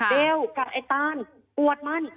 เบลกับไอ้ตานปวดมัน